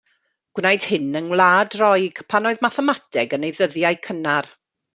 Gwnaed hyn yng Ngwlad Roeg, pan oedd mathemateg yn ei ddyddiau cynnar.